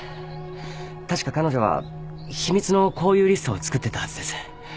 確か彼女は秘密の交友リストを作ってたはずです。